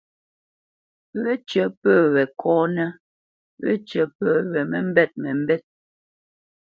Wécyə̌ pə́ we kɔ́nə́, wécyə̌ pə́ we məmbêt məmbêt.